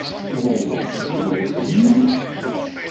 Ṛuza tezmer ad tkemmel?